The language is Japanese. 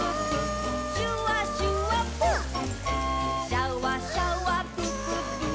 「シャワシャワプププ」ぷー。